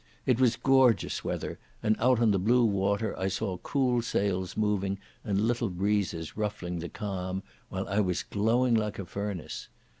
It was gorgeous weather, and out on the blue water I saw cool sails moving and little breezes ruffling the calm, while I was glowing like a furnace.